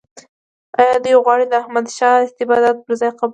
آیا دی غواړي د احمدشاه استبداد پر ځان قبول کړي.